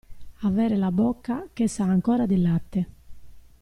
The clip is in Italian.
Avere la bocca che sa ancora di latte.